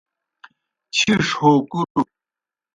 چِھیݜ ہو کُروْ